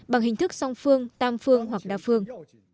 bằng hình thức song phương tam phương hoặc đa phương